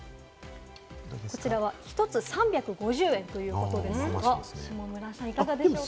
こちらは１つ３５０円ということですが、いかがでしょうか？